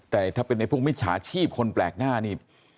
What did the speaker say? แต่ถ้าเป็นในพวกมิจฉาชีพคนแปลกหน้านี่